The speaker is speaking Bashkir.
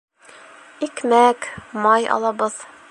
Икмәк, май алабыҙ